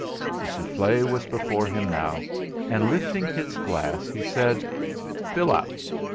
The souffle was before him now, and lifting his glass, he said: "Fill up."